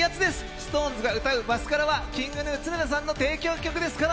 ＳｉｘＴＯＮＥＳが歌う「マスカラ」はＫｉｎｇＧｎｕの常田さんの提供曲ですから。